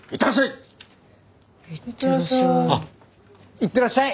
行ってらっしゃい。